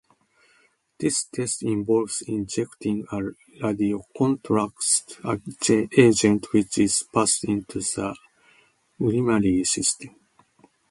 This test involves injecting a radiocontrast agent which is passed into the urinary system.